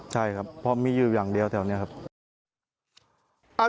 ใช่ครับเพราะมีอยู่อย่างเดียวแถวนี้ครับ